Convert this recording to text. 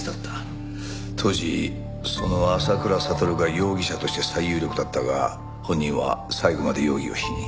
当時その浅倉悟が容疑者として最有力だったが本人は最後まで容疑を否認。